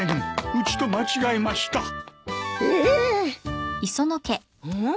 うん？